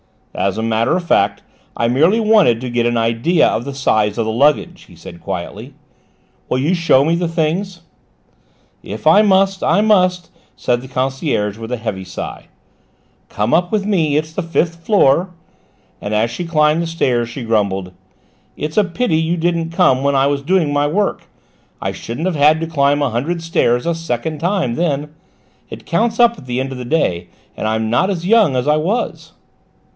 "As a matter of fact I merely wanted to get an idea of the size of the luggage," he said quietly. "Will you show me the things?" "If I must, I must," said the concierge with a heavy sigh. "Come up with me: it's the fifth floor," and as she climbed the stairs she grumbled: "It's a pity you didn't come when I was doing my work: I shouldn't have had to climb a hundred stairs a second time then; it counts up at the end of the day, and I'm not so young as I was."